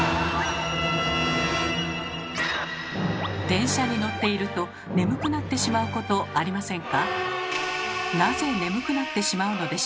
電車に乗っていると眠くなってしまうことありませんか？